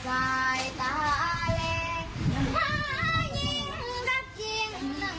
พี่แท้แปลงดีจริงหรือ